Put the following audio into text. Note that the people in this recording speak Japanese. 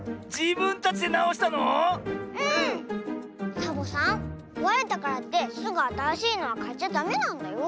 サボさんこわれたからってすぐあたらしいのはかっちゃダメなんだよ。